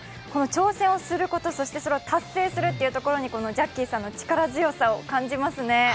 挑戦をすること、それを達成するというところにジャッキーさんの力強さを感じますね。